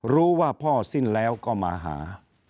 รู้ว่าพ่อสิ้นแล้วก็มาหา